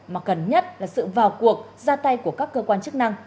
mà cần nhất là sự vào cuộc ra tay của các cơ quan chức năng